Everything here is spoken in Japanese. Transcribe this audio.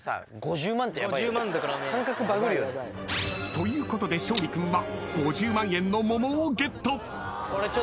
［ということで勝利君は］